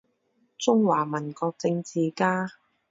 中华民国政治家。